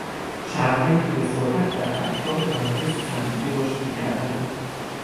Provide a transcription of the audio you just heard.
شهرهایی که به سرعت در اطراف مراکز صنعتی رشد میکردند